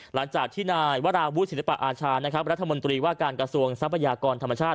หลังจากที่นายวราวุฒิศิลปะอาชานะครับรัฐมนตรีว่าการกระทรวงทรัพยากรธรรมชาติ